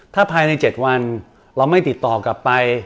ถ้าภายใน๗วันเราไม่ติดต่อกลับไป